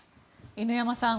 犬山さん